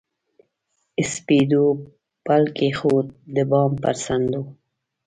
سپېدو پل کښېښود، د بام پر څنډو